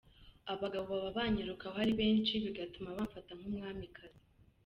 Abagabo baba banyirukaho ari benshi bigatuma bamfata nk’umwamikazi.